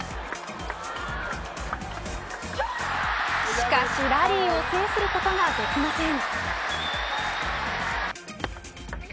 しかしラリーを制することができません。